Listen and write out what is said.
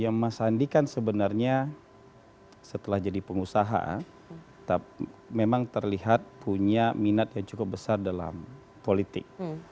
karena mas sandi kan sebenarnya setelah jadi pengusaha memang terlihat punya minat yang cukup besar dalam politik